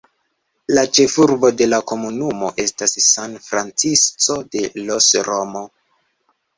La ĉefurbo de la komunumo estas San Francisco de los Romo.